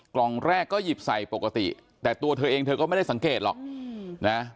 กล่องแรกก็หยิบใส่ปกติแต่ตัวเธอเองเธอก็ไม่ได้สังเกตหรอกนะ